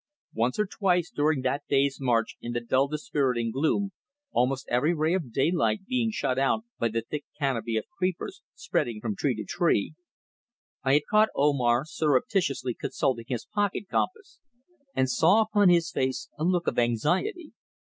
Once or twice during that day's march in the dull dispiriting gloom, almost every ray of daylight being shut out by the thick canopy of creepers spreading from tree to tree, I had caught Omar surreptitiously consulting his pocket compass, and saw upon his face a look of anxiety.